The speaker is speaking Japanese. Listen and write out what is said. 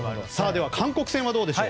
韓国戦はどうでしょう？